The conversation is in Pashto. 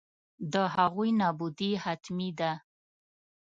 د هغوی نابودي حتمي ده.